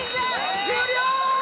終了！